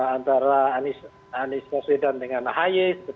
antara anies baswedan dengan ahy